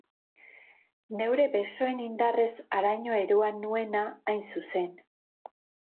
Neure besoen indarrez haraino eroan nuena, hain zuzen.